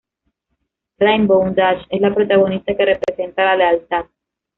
Rainbow Dash es la protagonista que representa la lealtad.